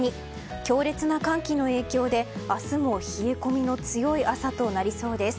強烈な寒気の影響で明日も冷え込みの強い朝となりそうです。